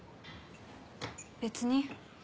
別に。